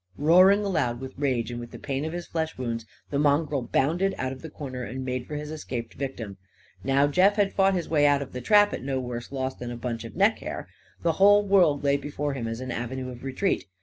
Roaring aloud with rage and with the pain of his flesh wounds, the mongrel bounded out of the corner and made for his escaped victim. Now Jeff had fought his way out of the trap at no worse loss than a bunch of neck hair. The whole world lay before him as an avenue of retreat.